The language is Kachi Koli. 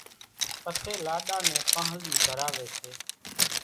پسيَ لاڏا نين پانۿلِي ڀراويَ سي۔